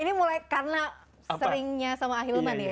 ini mulai karena seringnya sama ahilman ya